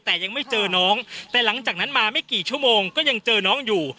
แต่ยังไม่เจอน้องแต่หลังจากนั้นมาไม่กี่ชั่วโมงก็ยังเจอน้องอยู่